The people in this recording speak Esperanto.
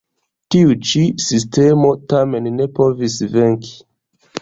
Tiu ĉi sistemo tamen ne povis venki.